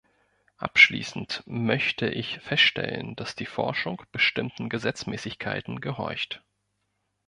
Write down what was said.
Abschließend möchte ich feststellen, dass die Forschung bestimmten Gesetzmäßigkeiten gehorcht.